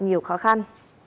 nhiều khó khăn